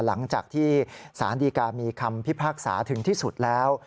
หลังจากที่สารดีกามีคำพิพากษาถึงที่สุดแล้ว